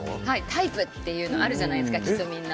タイプっていうのあるじゃないですか、みんな。